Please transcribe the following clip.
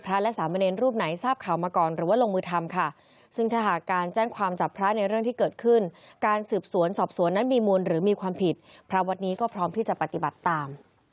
การจะเอาบัตรก็ซื้ออาหารให้มันรอบไปค่ะ